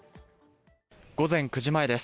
午前９時前です。